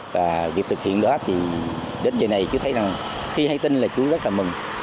và việc thực hiện đó thì đến giờ này chú thấy rằng khi hay tin là chú rất là mừng